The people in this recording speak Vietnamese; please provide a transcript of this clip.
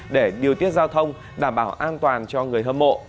để điều tiết giao thông đảm bảo an toàn cho người hâm mộ